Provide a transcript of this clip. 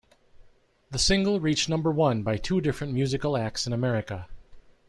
The single reached number one by two different musical acts in America.